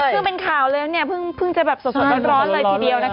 พึ่งข่าวเลยพึ่งจะสดสดร้อนเลยทีเดียวนะคะ